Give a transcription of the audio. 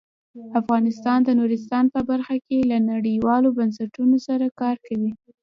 افغانستان د نورستان په برخه کې له نړیوالو بنسټونو سره کار کوي.